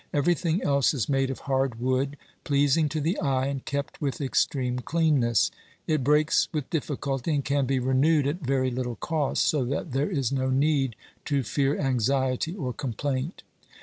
Everything else is made of hard wood, pleasing to the eye and kept with extreme cleanness ; it breaks with difficulty, and can be renewed at very little cost, so that there is no need to fear anxiety or complaint.